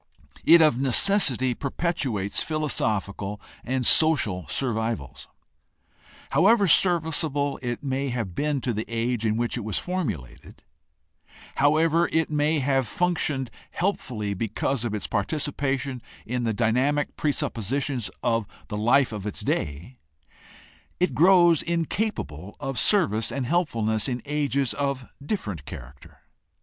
It of necessity perpetuates philosophical and social survivals. However serviceable it may have been to the age in which it was formu lated; however it may have functioned helpfully because of its participation in the dynamic presuppositions of the life of its day, it grows incapable of service and helpfulness in ages of different character.